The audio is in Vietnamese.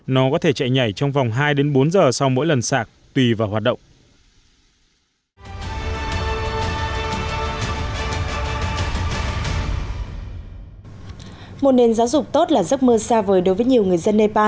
nó có thể chạy nhảy trong vòng hai đến bốn giờ sau mỗi lần sạc tùy vào hoạt động